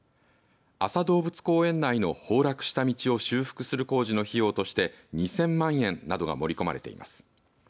安佐動物公園内の崩落した道を修復する工事の費用として２０００万円などが盛り込まれています。